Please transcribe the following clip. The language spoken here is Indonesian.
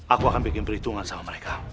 aku akan bikin perhitungan sama mereka